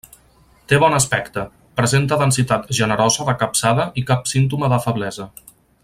Té bon aspecte: presenta densitat generosa de capçada i cap símptoma de feblesa.